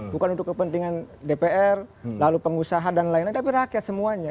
bukan untuk kepentingan dpr lalu pengusaha dan lain lain tapi rakyat semuanya